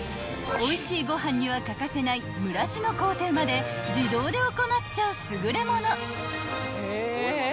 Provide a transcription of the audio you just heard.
［おいしいご飯には欠かせない蒸らしの工程まで自動で行っちゃう優れ物］